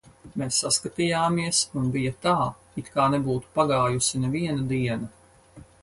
Mēs saskatījāmies, un bija tā, it kā nebūtu pagājusi neviena diena.